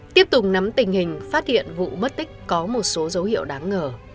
tiếp tục nắm tình hình phát hiện vụ bất tích có một số dấu hiệu đáng